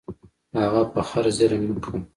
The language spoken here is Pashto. هغه په خر ظلم نه کاوه.